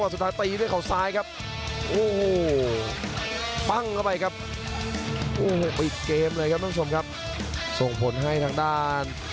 สำเร็จยาวรัดโชว์ด้าน